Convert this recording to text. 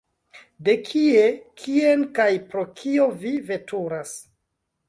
De kie, kien kaj pro kio vi veturas?